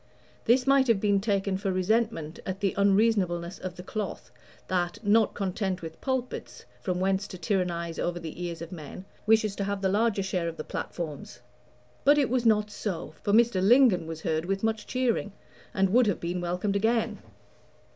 This might have been taken for resentment at the unreasonableness of the cloth, that, not content with pulpits, from whence to tyrannize over the ears of men, wishes to have the larger share of the platforms; but it was not so, for Mr. Lingon was heard with much cheering, and would have been welcomed again.